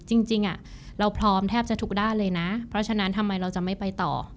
จริงเราพร้อมแทบจะทุกด้านเลยนะเพราะฉะนั้นทำไมเราจะไม่ไปต่อ